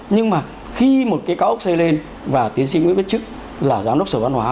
nhưng mà khi một cái cao hốc xây lên và tiến sĩ nguyễn bất trức là giám đốc sở văn hóa